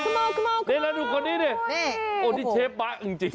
แล้วดูคนนี้เนี่ยโอ้นี่เชฟปะจริง